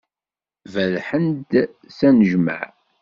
Berrḥen-d s anejmaɛ.